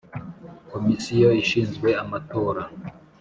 Komisiyo ishinzwe amatora.